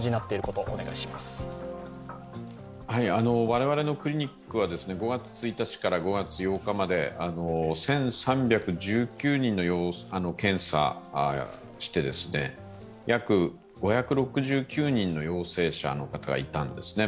我々のクリニックは５月１日から５月８日まで１３１９人を検査して、約５６９人の陽性者の方がいたんですね。